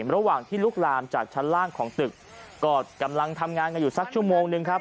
ระหว่างที่ลุกลามจากชั้นล่างของตึกก็กำลังทำงานกันอยู่สักชั่วโมงนึงครับ